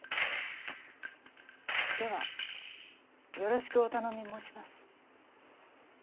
ではよろしくお頼み申します。